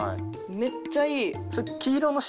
めっちゃいい。